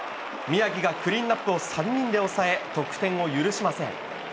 宮城がクリーンナップを３人で抑え、得点を許しません。